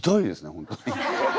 本当に。